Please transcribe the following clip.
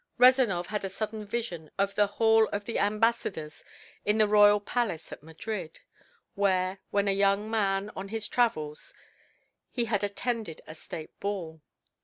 Rezanov had a sudden vision of the Hall of the Ambassadors in the royal palace at Madrid, where, when a young man on his travels, he had attended a state ball.